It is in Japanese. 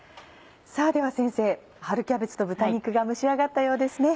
では春キャベツと豚肉が蒸し上がったようですね。